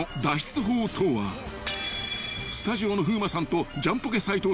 ［スタジオの風磨さんとジャンポケ斉藤さん